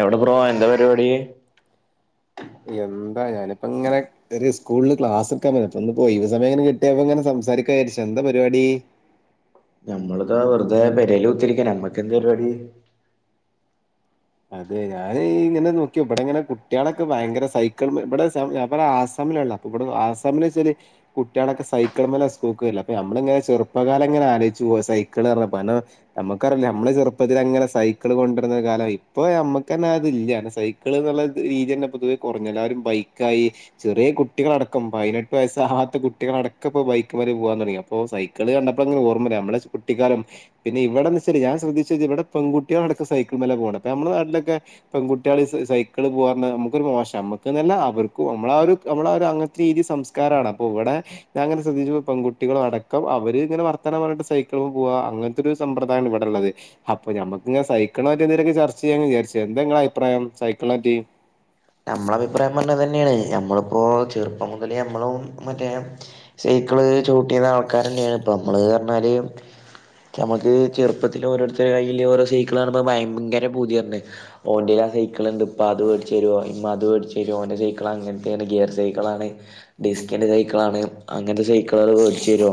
എവ്ടെ ബ്രോ എന്താ പര്പാടി എന്താ ഞാനിപ്പങ്ങനെ ഒര് സ്കൂൾല് ക്ലാസ്ട്ക്കാൻ പോയതാ പ്പന്ന് പ്പൊഴിവ് സമയം കിട്ട്യപ്പങ്ങനെ സം സാരിക്കാജാര്ച്ചാന്താ പര്പാടി ഞമ്മള്താ വെർതേ പെരേൽ കുത്തിര്ക്ക ഞമ്മക്കെന്ത് പര്പാടി അതെ ഞാൻ ഇങ്ങനെ നോക്കി ബടെ ങ്ങനെ കുട്ട്യാളൊക്കെ ഭയങ്കര സൈക്കിൾമ്മെ ബടെ സം ആ ബടെ ആസം മ് ല്ള്ള പ്പ ബടെ ആസാമില്ചാല് കുട്ട്യാളൊക്കെ സൈക്കിൾമലാ സ്കൂൾക്കെര്ല് അപ്പ ഞമ്മള്ങ്ങനെ ചെറുപ്പകാലങ്ങനെ ആലോയ്ച്ച് പോവാ സൈക്കിളർഞ്ഞ പല ഞമ്മക്കറീല നമ്മള് ചെർപ്പത്തിലങ്ങനെ സൈക്കിള് കൊണ്ടർന്ന കാലായി പ്പൊ നമ്മക്കെന്നതില്ല്യ കാരണം സൈക്കിള് എന്നുള്ള രീതി തന്നെ പൊതുവേ കൊറഞ്ഞെല്ലാവരും ബൈക്കായി ചെറിയേ കുട്ടികളടക്കം പൈനെട്ട് വയസ്സാവാത്ത കുട്ടികളടക്കപ്പോ ബൈക്ക്‌മ്മല് പോവാൻ തൊട്ങ്ങി അപ്പോ സൈക്കിള് കണ്ടപ്പൊ അങ്ങ് ഓ ഓർമ്മരാ നമ്മളെ കുട്ടിക്കാലം പിന്നെ ഇവിടെന്ന്ച്ചാല് ഞാൻ ശ്രദ്ധിച്ചത് ഇവിടെ പെൺകുട്ട്യാളടക്കം സൈക്കിൾമലാ പോണത് പ്പഞമ്മളെ നാട്ട്ലൊക്കെ പെൺകുട്ട്യാൾ സൈ സൈക്കിള് പോവാർഞ്ഞാ ഞമ്മക്കൊരു മോശാ നമ്മുക്ക്ന്നല്ല അവർക്കും നമ്മളാ ഒര് നമ്മളാ ഒര് അങ്ങൻത്തെരീതി സംസ്കാരമാണ് അപ്പൊ വടെ ഞാങ്ങനെ ശ്രദ്ധിച്ചപ്പോ പെൺകുട്ടികളടക്കം അവര് ങ്ങനെ വർ ത്തനം പർഞ്ഞിട്ട് സൈക്കിൾമ്മെ പോവാ അങ്ങൻത്തൊര് സമ്പ്രദായാണ് വടെള്ളത് അപ്പൊ നമുക്ക്ങ്ങനെ സൈക്കൾനപറ്റി എന്തൊലൊക്കെ ചർച്ച ച്ചെയ്യാന്ന് വിചാര്ച്ച് എന്ത ങ്ങളെ അഭിപ്രായം സൈക്കൾനെപ്പറ്റി നമ്മളഭിപ്രായം പറഞ്ഞതന്നെയാണ് ഞമ്മളിപ്പോ ചെറുപ്പം മുതലേ ഞമ്മളും മറ്റേ സൈ ക്കിള് ചൗട്ടീന്ന ആൾക്കാരെന്നേണ് പ്പൊ നമ്മള് അർഞ്ഞാല് നമുക്ക് ചെറുപ്പത്തില് ഓരോരുതരുടെ കയ്യില് ഓരോ സൈക്കിള് കാണുമ്പോ ഭയങ്കര പൂതിയേരർന്ന് ഓന്റേല് അ ആ സൈക്കിണ്ട്പ്പാ അത് വേട്ച്ചെരോ മ്മാ അത് വേട്ച്ചെരോ ഓന്റെ സൈക്കിളങ്ങൻതേണ് ഗീർ സൈക്കിളാണ് ഡിസ്ക്കിന്റെ സൈക്കിളാണ് അങ്ങൻത്തെ സൈ ക്ക്ളത് വേഡ്ച്ചെരോ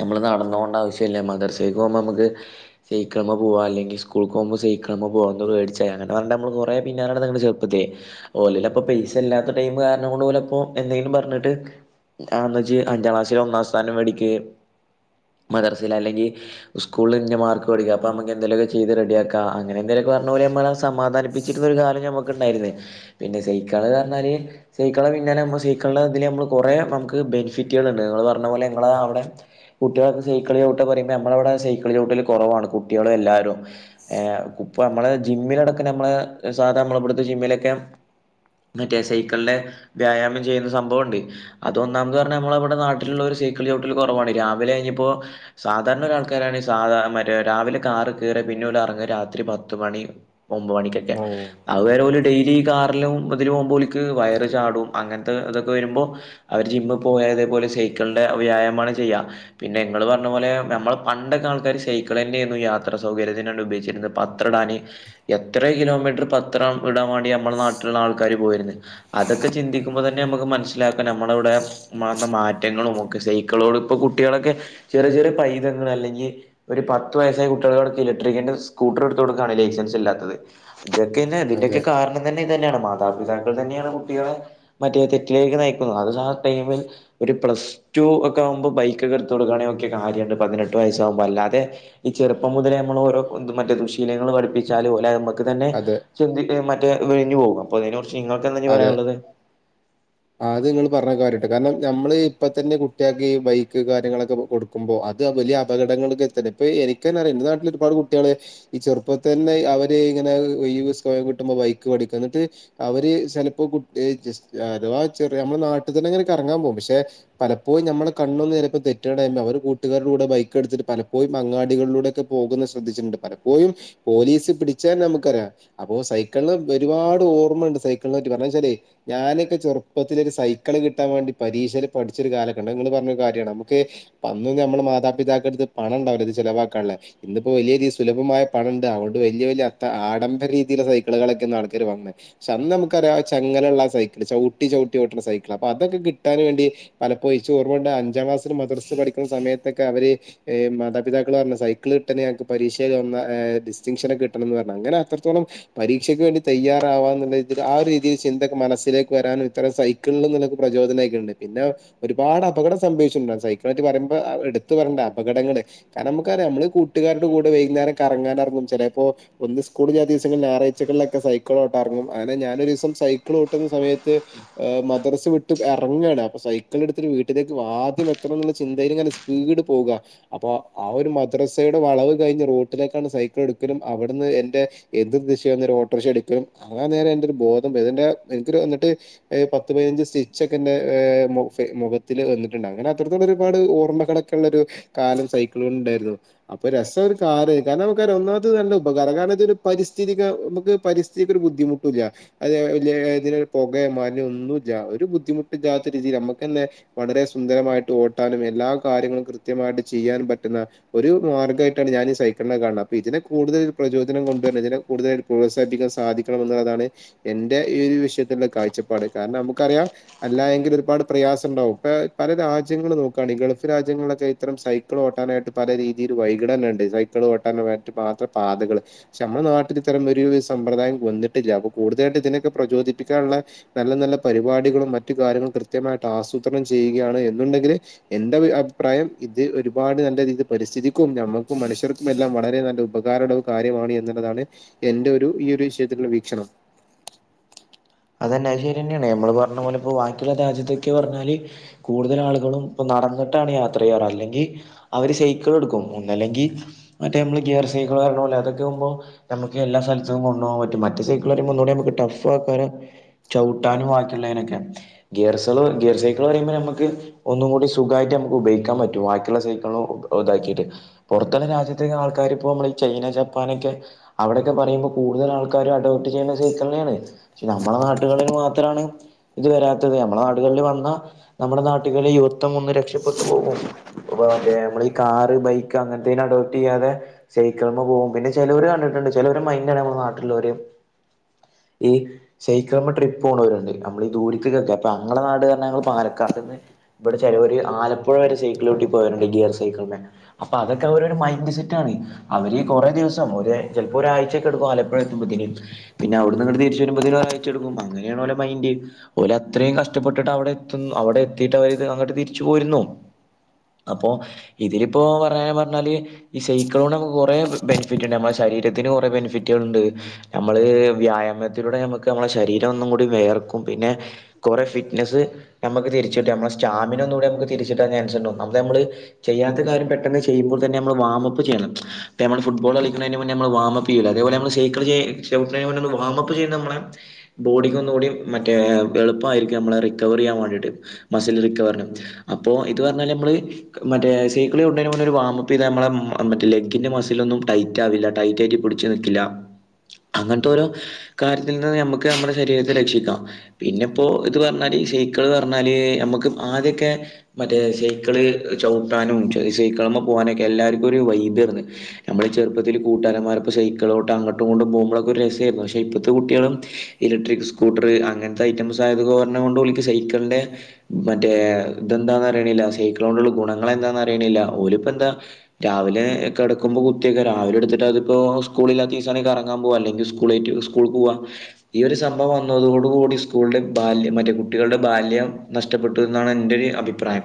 നമ്മള് നടന്നോണ്ട ആവശ്യയില്ല മദറസെക്ക് പോകുമ്പോ നമുക്ക് സൈക്കള്മെ പോവാ അല്ലെങ്കി സ്കൂൾക്ക് പോമ്പോ സൈക്കള്മെ പോവ എന്തോ മേടിച്ചായി അങ്ങനെ പറഞ്ഞെ നമ്മൾ കുറെ പിന്നലെ നടന്ന് ചെ പ്പോ തെ ഓലെല് അപ്പ പൈസ ഇല്ലാത്ത ടൈം കാരണം കൊണ്ട് പോലെപ്പ എന്തെങ്കിലും പറഞ്ഞിട്ട് ആന്ന് വെച്ച് അഞ്ചാം ക്ലാസ്സിലൽ ഒന്നാം സ്ഥാനം മേടിക്ക്‌ മദറസെല് അല്ലെങ്കി സ്കൂളിനിന്ന് മാർക്ക് മേടിക്കുക അപ്പൊ നമുക്ക് എന്തെലുമൊക്കെ ചെയ്ത് റെഡിയ ആക്കാം അങ്ങനെ എന്തെല് പറഞ്ഞ് ഓര് നമ്മളെ സമാധാനിച്ചിരുന്ന ഒരു കാലം ഞമു ക്കിണ്ടായിരിന്നെ പിന്നെ സൈക്കിള് എന്ന് പറഞ്ഞാല് സൈക്കിള പിന്നാലാവുമ്പോ സൈക്കിളിന്റെ ഇതിൽ നമ്മൾ കുറെ നമുക്ക് ബെനിഫിറ്റുകളണ്ടാർന്ന് നിങ്ങള് പറഞ്ഞ പോലെ നിങ്ങൾ ആ അവിടെ കുട്ടികൾ സൈക്കിള് ചൗട്ടൻ പറയുമ്പോ ഞമ്മളെ അവിടെ സൈക്കിൾ ചൗട്ടല് കുറവാണ് കുട്ടികൾ എല്ലാരും ഏഹ്. ഇപ്പ നമ്മള് ജിമ്മിലടക്ക നമ്മള് സാധാരണ നമ്മള ഇടുത്തെ ജിമ്മിലൊക്കെ മറ്റേ സൈക്കിളിന്റെ വ്യായാമം ചെയ്യുന്ന സംഭവുണ്ട് അതൊന്നാമെത് പറഞ്ഞാ നമ്മളവിടെ നാട്ടിലുള്ള ഒരു സൈക്കിൾ ചൗട്ടില് കോറവാണ് രാവിലെ കഴിഞ്ഞപ്പോ സാധാരണ ഒരു ആൾക്കരാണ് സാധാ മറ്റേ രാവിലെ കാറി കേറി- പിന്ന ഓല് ഇറങ്ങ രാത്രി പത്തുമണി ഒമ്പ മണിക്കൊക്കെ ആ അതുവരെ ഓല് ഡെയിലി കാറിലും മുതില് പോകുമ്പോൾ ഓല്ക്ക് വയറ് ചാടും അങ്ങനത്തെ ഇതൊക്കെ വരുമ്പോ അവര് ജി ജിമ്മി പോയ അതേ പോലെ സൈക്കിളിന്റെ വ്യായാമാണ് ചെയ്യ പിന്നെ നിങ്ങള് പറഞ്ഞ പോലെ നമ്മൾ പണ്ടൊക്കെ ആൾക്കാര് സൈക്കള് തന്നെയരുന്ന് യാത്ര സൗകര്യത്തിന്നാണ്ട് ഉപയോഗിച്ചിരുന്നത് പത്രടാന് എത്ര കിലോമീറ്റർ പ ത്രം ഇടാൻേ വാണ്ടി ഞമ്മളെ നാട്ടിലുള്ള ആൾക്കാര് പോയിരുന്ന് അതക്കെ ചിന്തിക്കുമ്പോ തന്നെ നമുക്ക് മനസ്സിലാക്കാം നമ്മളവിടെ വന്ന മാറ്റങ്ങളും ഒക്കെ സൈക്കിളോട് ഇപ്പൊ കുട്ടികളൊക്കെ ചെറിയ ചെറിയ പൈതങ്ങൾ അല്ലെങ്കി ഒരു പത്ത് വയസ്സായ കുട്ടികടെ ഇലക്ട്രിക്കിന്റെ സ്കൂട്ടർ എടുത്ത് കൊടുക്കാണ് ലൈസൻസ് ഇല്ലാത്തത് ക്കെ അതിന്റെക്ക അതെ കാരണം തന്നെ മാതാപിതാക്കൾ തന്നെയാണ് കുട്ടികളെ മറ്റേ തെറ്റിലേക്ക് നയിക്കുന്നത് അത് ആ ടൈമിൽ ഒരു പ്ലസ്ടു ഒക്കെ ആവുമ്പോ ബൈക്ക് ഒക്ക എടുത്ത് കൊടുക്കാണെ ഒക്കെ കാര്യംണ്ട് പതിനെട്ട് വയസ്സാവുമ്പോ അല്ലാതെ ഈ ചെറു ഇപ്പം മുതലേ നമ്മൾ ഓരോ മറ്റേ ദുശീലങ്ങൾ പഠിപ്പിച്ചാല് ഓലെ നമുക്ക് തന്നെ അതെ മറ്റെ വിഴിഞ്ഞ് പോവും അപ്പോ അതിനോ അതെ ആ അത് നിങ്ങൾ പറഞ്ഞ കര്യ കാരണം നമ്മള് ഇപ്പ തന്നെ കുട്ടികൾക്ക് ഈ ബൈക്ക് കാര്യങ്ങളൊക്കെ കൊടുക്കുമ്പോ അത് വലിയ അപകടങ്ങൾക്ക് എത്ത- പ്പ എനികന്നെറിയാം എന്റെ നാട്ടിൽ ഒരുപാട് കുട്ടികള് ഈ ചെറുപ്പ തന്നെ അവര് ഇങ്ങനെ ഒഴിവ് ദിസോ- ട്ടുമ്പോൾ ബൈക്ക് പഠിക്ക എന്നിട്ട് അവര്- ചിലപ്പോ കു ഏ ജസ് അഥവാ ചെറിയ നമ്മുടെ നാട്ടിൽ തന്നെ അങ്ങനെ കറങ്ങാൻ പോകും പക്ഷെ പലപ്പോഴും നമ്മളെ കൺ - ഒന്ന്ചിലപ്പോ തെറ്റണ് അവർ കൂട്ടുകാരുടെ ബൈക്ക് എടുത്തിട്ട് പലപ്പോഴും അങ്ങാടികളിലുടെക്ക് പോകന്നാ ശ്രദ്ധിച്ചിണ്ട് പല - പ്പോഴും പോലീസ് പിടിച്ചാ നമുക്കറിയാം അപ്പോ സൈക്കിളിന് ഒരുപാട് ഓർമ്മുണ്ട് സൈക്കി - ളായിട്ട് കർണാവിച്ചാലേ ഞാനൊക്കെചെറുപ്പത്തിലെ ഒരു സൈക്കിള് കിട്ടാൻ വേണ്ടി പരീക്ഷയിൽ പഠിച്ച ഒരു കാല ക്കിണ്ട് നിങ്ങള് പറ- കര്യാണ് നമ്മക്കെ അന്ന് നമ്മുടെ മാതാപിതാക്കടുത്ത് പണം ഉണ്ടാവില്ലത് ചിലവാക്കാനുള്ള ഇന്ന്പ്പോ വലിയ - സുലഭമായ പണ ഉണ്ട് അതുകൊണ്ട് വലിയ വലിയഅത്ത ആഡംബര രീതിള്ള സൈക്കിളുകളൊക്കെയന്ന് ആൾക്കാര് വാങ്ങുന്നെ പക്ഷെ അന്ന് നമുക്ക്- ക്കര ചങ്ങലുള്ള സൈക്കിള് ചവിട്ടി ചവിട്ടിഓട്ടണ സൈക്കിൾ അപ്പ അതൊക്കെ കിട്ടാൻ വേണ്ടി പലപ്പോഴും ച്ച് ഓർമ്മ- അഞ്ചാം ക്ലാസിൽ മദർസ് പഠിക്കുന്ന സമയത്തൊക്കെ അവര് മാതാപിതാക്കള് പറഞ്ഞു സൈക്കിള് കിട്ടണേ അനക്ക് പരീക്ഷ- ഒന്നാ ഡിസ്റ്റിങ്ഷനെ കിട്ടണംന്ന് പറഞ്ഞ് അങ്ങനെ അത്രത്തോളം പരീക്ഷക്ക് വേണ്ടി തയ്യാറവാള്ള- ആ ഒരു രീതിയിൽ ചിന്തക്കെ മനസ്സിലേക്ക് വരാനും ഇത്തരം സൈക്കിൾ നിക്ക് പ്രചോദനംആയിക്കാണിണ്ട് പിന്നെ ഒരുപാട്- അപകടം സംഭവിച്ചിണ്ട് സൈക്കിയിട്ട് വരയുമ്പോ എടുത്ത് പറേണ്ടാ അപകടങ്ങള് കാരണം നമുക്കാം നമ്മള് കൂട്ടുകാരുടെ കൂടെ- വൈകുന്നേരം കറങ്ങാനറങ്ങും ചെലപ്പോ ഒന്ന് സ്കൂൾ ഇല്ല ദിവസങ്ങളില് ഞാറാഴ്ച്ചാകൾക്ക് സൈക്കിളോട്ടെറങ്ങും- അങ്ങനെ ഞാനൊരു ദിവസം സൈക്കിൾ ഓട്ടുന്ന സമയത്ത് മദ്രസ് വിട്ട് ഇറങ്ങയാണ് അപ്പൊ സൈക്കിൾ എടുത്തി- വീട്ടിലേക്ക് ആദ്യം എത്തണം എന്ന ചിന്തയിലിങ്ങനെ സ്പീഡ് പോകുക അപ്പൊ ആ ഒരു മദ്രസയുടെ വളവ്- കഴിഞ്ഞ റോട്ടിലേക്കാണ് സൈക്കിൾ എടുക്കലും അവിടുന്ന് എന്റെ എതീർ ദിശന്ന് ഒരു ഓട്ടോറിക്ഷ എടുക്കലും- അങ്ങന നേരെ എന്റെ ഒരു ബോധം പോയി ന്റെ എനിക്കരു എന്നിട്ട് പത്ത് പതിനഞ്ച് സ്റ്റിച്ച് ഒക്കെ എന്റെ മോ ഫെയ്- മുഖത്തില് വന്നിട്ടുണ്ട് അങ്ങനെ അത്രത്തോളം ഒരുപാട് ഓർമ്മകാളെക്കെയുള്ളഒരു കാലം സൈക്കിൾ കൊണ്ട് ഉണ്ടായിരുന്നു അപ്പാ- രസ ഒരു കാര് കാരണം നമുക്കറിയാം ഒന്നമത് നല്ല ഉപകാരം കാരണം ഇതൊരു പരിസ്ഥിതി നമുക്ക് പരിസ്ഥി- ഒരു ബുദ്ധിമുട്ടില്ല അ ലെ ലെ പൊകയെ മണോ ഒന്നുല്ലഒരു ബുദ്ധിമുട്ടുല്ലാത്ത രീതിൽ- ക്ക്ന്നെ വളരെ സുന്ദരമായിട്ട് ഓട്ടാനും എല്ലാ കാര്യങ്ങളും കൃത്യമായിട്ട് ചെയ്യൻ പറ്റുന്ന ഒരു- മാർഗമായിട്ടാണ് ഞാനീ സൈക്കിളിനെ കാണെ അപ്പ ഇതിനെ കൂടുതൽ പ്രചോദനംണ്ടുവന്ന ഇതിനെ കൂടുതലായി പ്രോത്സാഹിപ്പിക്കാൻ സാധി- ക്കണംന്ന്ള്ളതാണ് എന്റെ ഈ ഒരു വിഷയത്തിലുള്ള കാഴ്ചപ്പാട് കാരണം നമുക്കറിയാം അല്ല എങ്കിൽ ഒരുപാട് പ്രയാ ഗ്യാസൊണ്ടാവും ഇപ്പ പല രാജ്യങ്ങള് നോക്കാണെ ഗൾഫ് രാജ്യങ്ങളൊക്കെ ഇത്തരം സൈക്കിൾ ഓട്ടാനായിട്ട് പല രീതില് [unintelligible] ഇണ്ട് സൈക്കിള് ഓട്ടാൻ വേണ്ടി മാത്ര പാതകള് പഷേ അമ്മളെ നാട്ടിൽ ഇത്തരം ഒരു സമ്പ്രദായം വന്നിട്ടില്ല അപ്പോ കൂടുതലായിട്ട് ഇതിനൊക്കെ പ്രചോദിപ്പിക്കാനുള്ള നല്ല നല്ല പരിപാടികളും മറ്റു കാര്യങ്ങളും കൃത്യമായി ട്ടാസൂത്രണം ചെയ്യുകയാണ് എന്നുണ്ടെങ്കിൽ എന്റെ അഭിപ്രായം ഇത് ഒരുപാട് നല്ല രീതി പരിസ്ഥിതി ക്കും ഞമ്മക്കും മനുഷ്യർക്കും എല്ലാം വളരെ നല്ല ഉപകാരമുള്ള കാര്യമാണ് എന്നിള്ളതാണ് എന്റെ ഒരു ഈ ഒരു വിഷയത്തി ത്തിൽ വീക്ഷണം. തന്നെ അത് ശെരിയാനെയാണ് ഞമ്മള് പറഞ്ഞപോലെ ഇപ്പോൾബാക്കിയുള്ള രാജ്യത്തൊക്കെ പറഞ്ഞാല് കൂടുതൽ ആളുകളും ഇപ്പോ നടന്നിട്ട് ട്ടാണ് യാത്ര ചെയാർ അല്ലെങ്കി അവര് സൈക്കിൾ എടുക്കും ഒന്നല്ലെങ്കിൽ മറ്റേ മ്മള് ഗിയർ സൈക്കിള് പറയണോലെ അതൊക്കാവുമ്പോ ഞമ്മക്ക് എല്ലാ സ്ഥലത്തും കൊണ്ടോവാൻ പറ്റും മറ്റേ സൈക്കിള് പറയുമ്പോ ഒന്നൂടെ നമക്ക് ടഫ് ആക്കാന ചൗട്ടാനും ബാക്കിയുള്ളതിനൊക്കെ ഗിയർസള് ഗിയർ സൈക്കിൾ പറയുമ്പോ ഞമക്ക് ഒന്നും കൂടെ സു ഖായിട്ട് ഞമ്മക്ക് ഉയോഗിക്കാൻ പറ്റും ബാക്കിയുള്ള സൈക്കിൾനോ ഇതാ‌ക്കിട്ട് പൊറത്തളാ രാജ്യത്ത ആൾകാര്പ്പോ ചെ ചൈന ജപ്പാനൊക്കെ അവിടൊക്കെ പറയുമ്പോ കൂടുതൽ ആൾക്കാരും അഡോപ്റ്റ് ചെയ്യുന്ന സൈക്കള്നെയാണ്. നമ്മളെ നാട്ടുകളിൽ മാത്രാണ് ഇത് വരാത്തത് നമ്മളെ നാടുകളിൽ വന്ന നമ്മുടെ നാട്ടുകളിൽ യൂ രക്ഷപ്പെട്ട് പോകും മറ്റേ മ്മളെ കാർ ബൈക്ക് അങ്ങനതേനേ അഡോപ്റ്റ് ചെയ്യാതെ. സയ്ക്കള്മിൽ പോകും പിന്നെ ചിലവര് കണ്ടിട്ടുണ്ട് ചിലൊരു മയ്ന്റാണ് മ്മളെ നാട്ടുള്ളവര്. [unintelligible] ഏ. ശയ്കളമിൽ ട്രിപ്പ് പോണോരുണ്ട് അമ്മള്ളി ദൂരേക്ക്ക്കൊക്കെ അപ്പൊ അങ്ങളെ നാട് പറഞ്ഞ ഞങ്ങൾ പാലക്കാട്ക്ക്. ഇവിടെ ചെലൊര് ആലപ്പുഴ വരെ സൈക്കളോട്ടി പോയൊരുണ്ട് ഗിയർ സൈക്കിളമേ അപ്പൊ അതൊക്കെ അവ ഒരു മൈൻഡ് സെറ്റ് ആണ്. അവര് കൊറേ ദിവസം ഒര് ചിലപ്പോ ഒരാഴ്ചൊക്കെ എടുക്കും ആലപ്പഴ എത്തുമ്പോത്തേന് പിന്നെ അവിടുന്ന് ഇങ്ങട്ട് തിരിച്ച വരുമ്പോതെയ്ക്ക്. ച്ടുക്കും അങ്ങനെയാണ് ഓലെ മൈൻഡ് ഓൽ അത്രേം കഷ്ടപ്പെട്ടിട്ടവിടെ അവിടെത്ത് അവിടെത്തീട്ടവര് അങ്ങട്ട് തിരിച്. ച്ച് പോരുന്നു. അപ്പോ ഇതില ഇപ്പോ പറ പറഞ്ഞാല് ഈ സൈക്കളോണണ്ട്‌ നമ്മക്ക് കൊറെ ബെനിഫിറ്റ് ഇണ്ട് നമ്മളെ ശരീ രീരത്തിന് കുറെ ബെനിഫിറ്റുകളുണ്ട് നമ്മള് വ്യായമത്തിലൂടെ നമുക്ക്. നമ്മളുടെ ശരീരം ഒന്നും കൂടി വേർക്കും പിന്നെ കുറെേ ഫിറ്റ്നസ്സ് നമുക്ക് തിരിച്ചട്ടും നമ്മ സ്റ്റാമിന. ഇലൂടെ നമ്മക്ക് തിരിചിട്ടാൻ ചാൻസ് ഇണ്ട് ഒന്നാമത് അമ്മള് ചെയ്യാത്ത കാര്യം പെട്ടെന്ന് ചെയ്യുമ്പോൾ തന്ന നമ്മള് വാമാപ് ചെയ്യണം. ഇപ്പ നമ്മൾ ഫുട്ബോൾ കളിക്കതിന് മുന്നേ നമ്മ വാമപ്പ്യൂല്ല അതേപോല നമ്മ സയ്കൾ ചെയ് ചവിട്ടണെന് മുനെ ഒന്ന് വാമപ്പ് ചെയും നമ്മളെ. ബോഡിക്ക് ഒന്നുകൂടി മറ്റേ എളുപ്പമായിരിക്കും നമ്മളെ റിക്കവർ ചെയ്യാൻ വേണ്ടിട്ട് മസൽ റിക്കവറിന. അപ്പോ ഇത് പറഞ്ഞല് നമ്മള് മറ്റേ സേക്കിളി ചൗട്ടണെന് മുന്നേ ഒരു വാമപ്പ് ചെയ്‌താൽ മറ്റേ ഇമ്മളെ മറ്റേ ലെഗിന്റെ. മസിലൊന്നും ടയറ്റാവില്ല ടായിട്റ്റായിട്ട് പിടിച്ച നിക്കില്ല അങ്ങനത്തോരോ കാര്യത്തിന്. ന്നാ ഞമക്ക് ഞമ്മടെ ശരീരത്തെ രക്ഷിക്കാം പിന്നെ ഇപ്പോ ഇത് പറഞ്ഞാരി സയ്ക്കള് പറഞ്ഞാല് ഞമക്ക്. അതൊക്കെ മറ്റേ സൈക്കിള് ചൗവട്ടാനും സൈക്കിളമ്മ പോവാനൊക്കെ എല്ലാവർക്കും ഒരു വൈബെന്. നമ്മളെ ചെറുപ്പത്തിൽ കൂട്ടാരന്മാർപ്പോ സൈക്കിളോട്ട അങ്ങോട്ടും ഇങ്ങോട്ടും പോകുമ്പോഴൊക്കെ ഒരു രസെനു പക്ഷേ ഇപ്പത്തെ കുട്ട്യേള്. ഇലക്ട്രിക് സ്കൂട്ടർ അങ്ങനത്തെ ഐറ്റംസ് ആയത് പറഞ്ഞോണ്ട് ഓലക്ക് സൈക്കിളിന്റെ മറ്റേ. ഇതെന്താ അറിയണ്ണില്യ സൈക്കിളോണ്ടിള്ള ഗുണങ്ങ എന്താന്ന് അറിയണില ഓൽ ഇപ്പോ എന്താ രാവിലെ കെട കക്കുമ്പോൾ കുത്തിൊക്കെ രാവിലെ എടുത്തിട്ട്തിപ്പോ സ്കൂളിലാത്തൊസം ആണെങ്കി കറങ്ങാ പോക അല്ലെിൽ സ്കൂള ആട്ട് സ്കൂൾക്ക് പോവാ. ഈ ഒരു സംഭവം വന്നതോടു കൂടി സ്കൂളുടെ ബാല്യം മറ്റേ കുട്ടികളുടെ ബാല്യം നഷ്ടപ്പെട്ടു എന്നാണ് എൻന്റെരു അഭിപ്രായം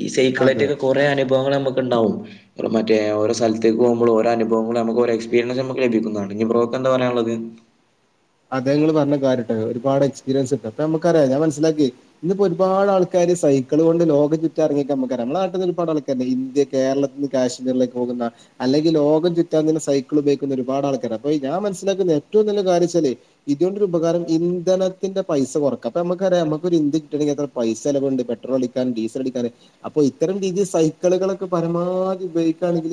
ഈ അതെ സൈക്കിളേറ്റ ഒക്കെ കുറെ അനുഭവങ്ങൾ നമുക്ക്. ഉണ്ടാവും മറ്റ ഓരോ സ്ഥലത്തെക്ക് പോകുമ്പോളും ഓരോനുഭവങ്ങളും നമക്ക് എക്സ്പീരിയൻസ് ലഭിക്കും. എന്താ പറയാനുള്ളത്. അദ്ദേ ങ്ങൾ പറഞ്ഞ കാര്യട്ടെ ഒരുപാട്. എക്സിപീരിയൻസിണ്ട് അപ്പൊ ഞമ്മക്കറിയ ഞാൻനസ്സിലാക്കി ഇന്ന് പ്പോ ഒരുപാട് ആൾക്കാര് സൈക്കിള്ളോണ്ട്‌ ലോകം ചുറ്റാൻ ഇറങ്ങീക്ക അമ്മക്കറിയ. നമ്മളുടെ നാട്ടന്ന് ഒരുപാട്ൾക്കാരെണ്ട്‌ ഇന്ത്യ കേരളത്തിൽ നിന്ന് കാശ്മീരിലേക്ക് പോകുന്ന അല്ലെങ്കിൽ ലോകം ചുറ്റാൻതന്നെ സൈക്കിളും. ഉപയോക്കുന്ന ഒരുപാട് ആൾക്കാര് അപ്പ ഞാ മനസ്സിലാക്കുന്ന ഏറ്റവും നല്ല കാര്യച്ചാല്. ഇതൊണ്ടരുപകാരം ഇന്ധനത്തിന്റെ പൈസ കുറക്ക അപ്പൊ നമുക്കറാം നമുക്കൊരു ഇന്ത്യ കിട്ടണെങ്കിൽത്ര പൈസ ലവുണ്ട്. പെട്രോൾ അടിക്കാനും ഡീസൽ അടിക്കാനും അപ്പൊ ഇത്തരം രീതിയിൽ സൈക്കിൾ കളൊക്കെ പരമാതി ഉപയോഗിക്ക കാണേൽ.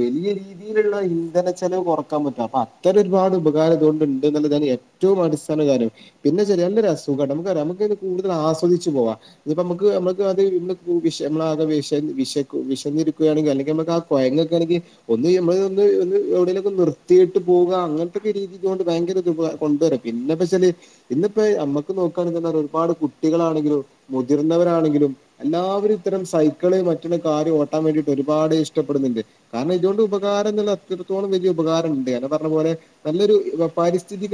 വലിയ രീതിയിലുള്ള ഇന്ധന ചെലവ് കുറക്കാൻ പറ്റും അപ്പൊ അത്തര ഒരുപാട് ഉപകാരം ഇതുകൊണ്ട്ണ്ടെന്ന് എന്നുള്ള ഏറ്റവും അടിസ്ഥാന കാര്യം പിന്താച്ചാൽ നല്ല അസുഖം നമ്മക്കറിയ നമക്ക്ത് കൂടുതൽ ആസ്വദിച്ചു പോവാ ഇനിപ്പോ നമ്മക്ക്. മ്മക്ക് നമ്മക്കത് വിശ വിശ വിശക്ക വിശന്നിരിക്കുകയാണെങ്കിൽ അല്ലെകില് നമ്മക്കാകെ കൊഴഞ്ഞക്കണ്ണെങ്കിൽ. ഒന്ന് നമ്മൾ ന്ന് ഒന്ന് എവിടേലൊക്കെ നിർത്തീട്ട് പോകുക അങ്ങനത്തൊക്കെ രീതിക്കോണ്ട് ഭയങ്കരൊരു ഉപകാരാ. [unintelligible] മുതിർന്നവരാണങ്കിലുംഎല്ലാവരുംഇത്തരം സൈക്കിള് മറ്റ കാര്യം ഓട്ടാൻ വേണ്ടിട്ട് ഒരുപാട് ഇഷ്ടപ്പെടുന്നുണ്ട് കാരണം ഇതുകൊണ്ട് ഉപകാരം എന്ന എത്രത്തോളം വലിയ ഉപകാരം ഉണ്ട് പറഞ്ഞ പോലെ നല്ലൊരു പരിസ്ഥിതി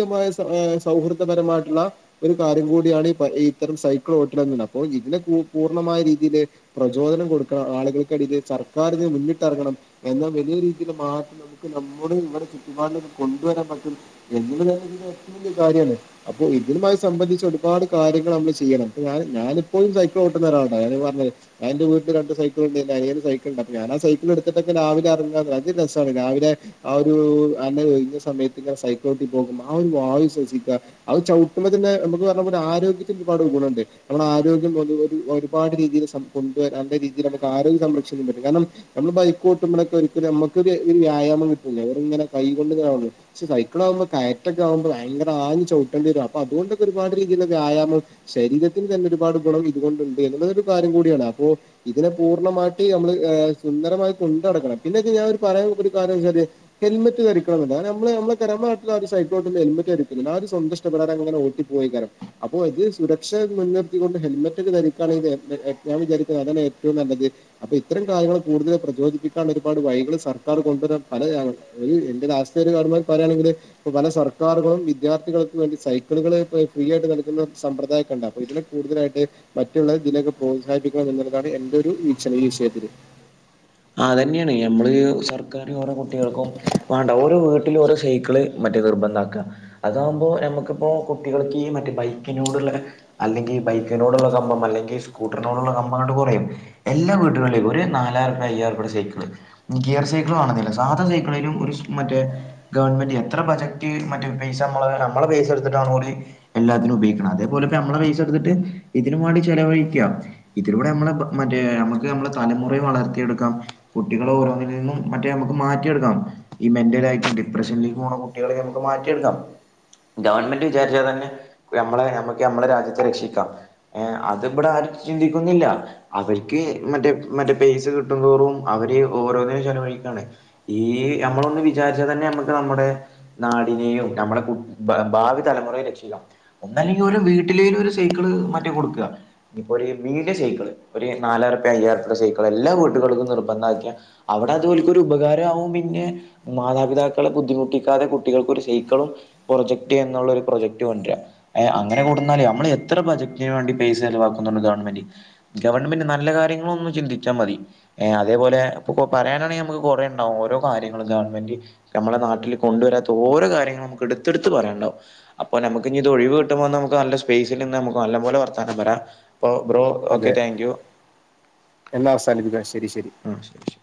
സൗഹൃദപരമായിട്ടുള്ള ഒരു കാര്യം കൂടിയാണ് ഇത്തരം സൈക്കിൾ ഹോട്ടൽ എന്ന അപ്പോ ഇതിനെ പൂർണ്ണമായ രീതിയില് പ്രചോദനം കൊടുക്കണം ആളുകൾക്കടയിയില് സർക്കാർ ഇതിന് മുന്നിട്ടിറങ്ങണം എന്നാൽ വലിയ രീതിയിൽ മാറ്റം നമുക്ക് നമ്മുടെ ഇവിടെ ചുറ്റുപാടിന കൊണ്ടുവരാൻ പറ്റും എന്ന് ഇതിൽ ഏറ്റവും വലിയകാര്യമാണ് അപ്പോൊഇതിന്‌മായി സംബന്ധിച്ച് ഒരുപാട് കാര്യങ്ങൾ നമ്മള് ചെയ്യണം ഇപ്പോ ഞൻ ഞാനിപ്പോ സൈക്കിൾ ചവിട്ടുന്ന ആളാ അതനെ വീട്ടില് രണ്ട് സൈക്കി ഉണ്ട് അനിയൻ സൈങ്കിൾഉണ്ട് ഞാ ൻആ സൈക്കി എടുട്ട രാവിലെ ഇറങ്ങാ അഞ് രസമാണ് രാവിലെ അറങ്ങഅത് രസ ആണ്രവിലെ ഒഴിഞ്ഞ സമയത്ത് സൈക്കൾ ചവിട്ടിപോകുന്നത് ആ ഒരു വായു ശ്വസിക്ക ആ ചവിട്ടുമ്പ തന്നെ നമുക്ക് പറഞ്ഞലെ ആരോഗ്യത്തിന് ഒരുപാട് ഗുണുണ്ട് നമ്മുടെ ആരോഗ്യ ഒരുപാട് രീതിൽ കൊണ്ട് നല്ല [unintelligible] ഒരുപാട്‌രീതിയിൽ നമുക്ക് ആരോഗ്യ സംരക്ഷിക്ക പറ്റും കാരണം നമ്മ ബൈക്കോട്ട് നമള് ഒരിക്കൽഒരു വ്യായമം കിട്ടുന്നില്ല അവങ്ങനെ കൈ കൊ താവുള്ളൂ പക്ഷെ സൈി ക്കാൾ ആകുമ്പോ കയ അത് ഒക്കെ ആകുമ്പോ ഭയങ്കര ആഞ്ഞ്ചവിട്ടണ്ടി വരും അപ്പൊ അതൊക്കെ ഒരുപാട് രീതിയില വ്യായാമം ശരീരത്തിന് തന്നെ ഒരുപാട് ഇതൊണ്ടുണ്ട് എന്നുള്ളതരു കാര്യം കൂടിയാണ് അപ്പോ ഇതിനെ പൂർണ്ണമായിട്ട് നമ്മൾ സുന്ദരമായി കൊണ്ട നടക്കണം പിന്നെഞാാന ഒരു പറയാൻ ഒരു കര്യം ന്ന ച്ചാൽ ഹെൽമെറ്റ് ധരിക്കണംന്ന് നമ്മള് നമ്മെ തരമായിട്ടുള്ള ഒരു ഇങ്ങോട്ടന്ന് ഹേല് മന്റ് ധരിക്കല്ലസ്വന്ത ഇഷ്ടപ്രകാരംഅപ്പോ അത് സുരക്ഷ മുൻനിർത്തിണ്ട് ഹോല് ഹെൽമന്റ്‌ ധരിക്കണങ്കിൽ ഞാൻവിചാരിക്കുന്നത് അതാണ് ഏറ്റവും നല്ലത്പ്പൊ ഇത്തരം കാര്യങ്ങൾ കൂടുതൽ പ്രചോദിപ്പിക്കുന്നത് ഒരുപാട് വൈ യ്കൾ സർക്കാർ കൊണ്ടുവരാൻപല എന്റെ രാഷ്ട്രീയ കാര പറയയാണെങ്കിൽ പല സ്ഥ സർക്കാരറുകളും വിദ്യാർത്ഥികൾക്കും വേണ്ടി സൈക്കിളുകള് ഫ്രീ ആയിട്ട് നൽകുന്ന സമ്പ്രദായ കണ്ട അപ്പൊ ഇതില് കൂടുതലായിട്ട് മറ്റുള്ളവരെ ഇതിനൊക്കെ പ്രോത്സാഹിപ്പിക്കണം എന്നുള്ളതാണ് എന്റഒരു വീക്ഷണം ഈ വിഷയത്തില് അതന്നെയാണ് ഞമ്മള് സർക്കർ ഓരോ കുട്ടികൾക്കും വേണ്ട ഓരോ വീട്ടിൽ ഓരോ സൈക്കിൾ വണ്ടി നിർബന്ധ മാകഅതാകുമ്പോ നമുക്കിപ്പോ കുട്ടികൾക്ക് മറ്റ ബൈക്കിനോടുള്ള അല്ലെങ്കിൽ ബൈക്കിനോടുള്ള കമ്പം അല്ലെങ്കിൽ സ്കൂട്ടറിനോടുള്ള കമ്പം കൊണ്ട് കുറയും എല്ലാ വീടുകളിലും ഒരു നാലായിര റുപ്പി അയായിര റുപ്പിടെസൈക്കിൾഗിയർ സൈക്കിൾ വണന്നില്ല സാധണ സൈക്കിളും ഒരു മറ്റേ ഗവൺമെന്റ് എത്ര ബജറ്റ് മറ്റ പൈസ നമ്മ നമ്മെ പൈസ എടുത്തിട്ടാണ എല്ലാത്തിനും ഉപോഗിക്കുന്നത് അതേപോലെ നമ്മള പൈസടുത്ത് ഇതിനന് വേണ്ടിചെലവഴിക്ക ഇതിലൂടെ നമ്മ മറ്റേ നമുക്ക് നമ്മ തലമുറ വളരട്ടെ മാറ്റി എടുക്കാംകുട്ടികള മറ്റേ നമക്ക് മാറ്റിയെടുക്കാം ഈ മെന്റലട്ടും ഡിപ്രഷനിലി കുട്ടികള ഞമക്ക് മാറ്റിയെടുക്കാം ഗവൺമെന്റ് വിചാരിച്ചാൽ തന്നെ നമ്മളെ നമ്മുക്ക് നമ്മളെ രാജ്യത്തെ രക്ഷിക്കാംഏ അത് ഇവിടെ ആരു ചിന്തിക്കുന്നില്ല അവർക്ക് മറ്റേ മ പൈസ കിട്ട കിട്ടും തോറും അവര് ഓരോന്നിനും ചെലവഴിക്കാണ് ഈ നമ്മളൊന്ന് വിചാരിച്ചാൽ തന്നെ നമുക്ക് നമ്മുടെ നാടിനെയും നമ്മുടെ ഭാവി തലമുറെ രക്ഷിക്കാം ഒന്നല്ലെങ്കിൽ ഒരു വീട്ടിലെും ഒരുസൈക്കിൾ നിങ്ങൾമറ്റകൊടുക്കഒരമീന്റെ സൈക്കിള്ഒരു നാലായിരം അയായിരം ഉറുപ്പിടാസൈക്കൾ എല്ലാം കുട്ടികൾക്ക്നിർബന്ധം ആക്കിഅവിടെ അതുപോല ഒരു ഉപകാരമാവും മാതപിതാക്കെ ബുദ്ധിുട്ടിക്ക കുട്ടിക ഒരു സൈക്കളും പ്രൊജക്റ്റ് എന്നുള്ള പ്രൊജക്ട്ണ്ട അങ്ങനെ കൊടുന്നാൽനമ്മ എത്ര ഒരേബജറ്റന് വേണ്ടി പൈസ ചിലവാക്കുന്നുണ്ട് ഗവൺമെന്റ് ഗവൺമെന്റ് നല്ല കാര്യങ്ങള ഒന്നും ചിന്തിച്ചാൽ മതി ഏ അതേപോലെ ഇ പറയാനാണെങ്കിൽ നമുക്ക് കുറേ ഉണ്ടാവും ഓരോ കാര്യങ്ങളും ഗവൺമെന്റ് നമ്മള നാട്ടിൽ കൊണ്ടുവര ഇതിനകത്ത്ഓരോ കാര്യ ങ്ങളും ഇടുത് ഇടുത്ത് പറയാനുവും അപ്പോ നമക്ക് ഇനി ഇത് ഒഴിവ് കിമ്പോ സ്പൈസ്നുക്ക് നല്ല സ്പേസിൽ നല്ല പോലെ വർത്താനം വ റാഅപ്പൊ ബ്രോ അതെ ഓക്കെ താങ്ക് യു എന്നാ അവസാനിപ്പിക്കാം ശരി ശരി ആ ശരി ശരി